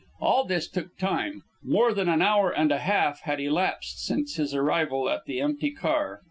All this took time. More than an hour and a half had elapsed since his arrival at the empty car.